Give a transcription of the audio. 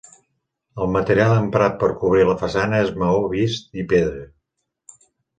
El material emprat per cobrir la façana és maó vist i pedra.